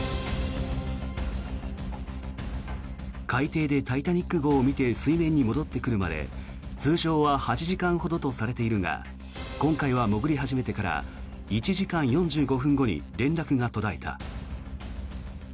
海底で「タイタニック号」を見て水面に戻ってくるまで通常は８時間ほどとされているが今回は潜り始めてから１時間４５分後に連絡が途絶えた。